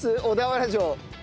小田原城。